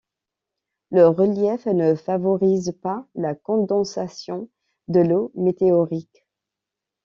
Le relief ne favorise pas la condensation de l'eau météorique.